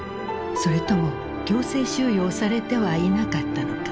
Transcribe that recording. それとも強制収容されてはいなかったのか。